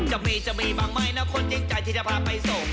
ใครจะมีบางไม้นักคนจิงใจที่จะพาไปส่ง